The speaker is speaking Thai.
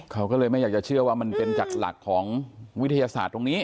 เขาก็เลยไม่อยากจะเชื่อว่ามันเป็นจากหลักของวิทยาศาสตร์ตรงนี้